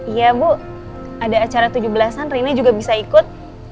iya bu ada acara tujuh belasan rena juga bisa ikut